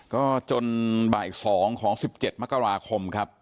ก็จนบ่าย๒ของ๑๗มกราคมครับ